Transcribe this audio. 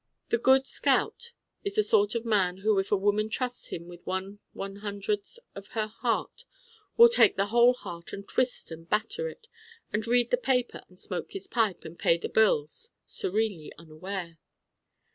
A Good Scout is the sort of man who if a woman trusts him with one one hundredth of her heart will take the whole heart and twist and batter it: and read the paper and smoke his pipe and pay the bills: serenely unaware.